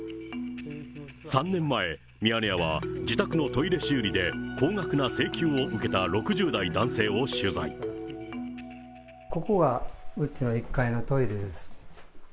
３年前、ミヤネ屋は自宅のトイレ修理で高額な請求を受けた６０代男性を取ここが、うちの１階のトイレです。